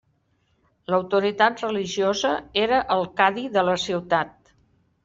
L'autoritat religiosa era el cadi de la ciutat.